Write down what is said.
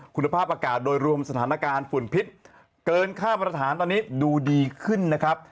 คุณภาพอากาศโดยรวมสถานการณ์ฝุ่นพิษเกินค่ามาตรฐานตอนนี้ดูดีขึ้นนะครับ